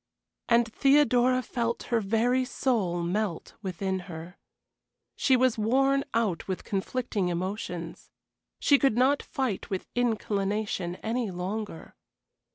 And Theodora felt her very soul melt within her. She was worn out with conflicting emotions. She could not fight with inclination any longer.